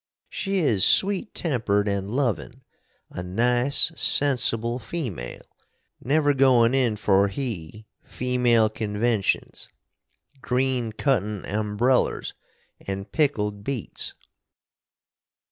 She is sweet tempered and lovin a nice, sensible female, never goin in for he female conventions, green cotton umbrellers, and pickled beats.